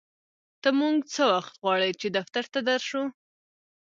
ته مونږ څه وخت غواړې چې دفتر ته در شو